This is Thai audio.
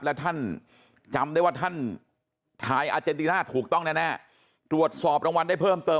แล้วท่านจำได้ว่าท่านถ่ายอาเจนติน่าถูกต้องแน่ตรวจสอบรางวัลได้เพิ่มเติม